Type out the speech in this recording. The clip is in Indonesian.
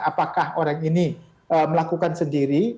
apakah orang ini melakukan sendiri